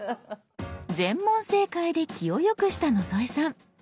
全問正解で気をよくした野添さん。